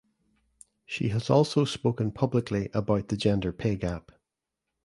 She has also spoken publicly about the gender pay gap.